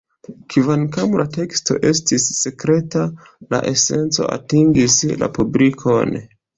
Kvankam la teksto estis sekreta, la esenco atingis la publikon.